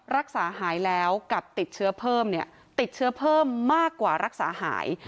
รักษาหายแล้วกับติดเชื้อเพิ่มเนี่ยติดเชื้อเพิ่มมากกว่ารักษาหาย